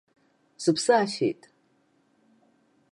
Сыԥсы афеит.